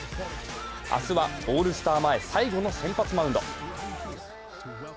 明日は、オールスタ前最後の先発マウンド。